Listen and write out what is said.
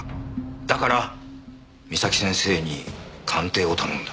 だから岬先生に鑑定を頼んだ。